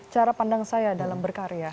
cara pandang saya dalam berkarya